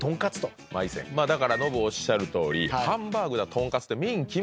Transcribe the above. だからノブおっしゃるとおりハンバーグだとんかつって。